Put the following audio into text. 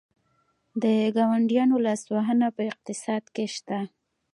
د ګاونډیانو لاسوهنه په اقتصاد کې شته؟